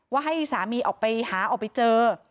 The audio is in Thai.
ให้สามีออกไปหาออกไปเจอ